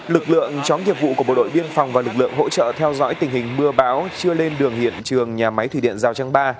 lực lượng chó nghiệp vụ của bộ đội biên phòng và lực lượng hỗ trợ theo dõi tình hình mưa bão chưa lên đường hiện trường nhà máy thủy điện giao trang ba